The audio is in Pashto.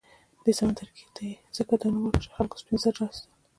دې سمندرګي ته یې ځکه دا نوم ورکړ چې خلکو سپین زر اېستل.